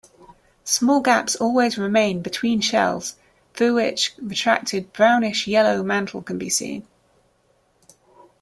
Small gaps always remain between shells through which retracted brownish-yellow mantle can be seen.